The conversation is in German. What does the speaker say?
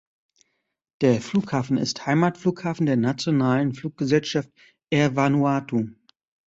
Der Flughafen ist Heimatflughafen der nationalen Fluggesellschaft Air Vanuatu.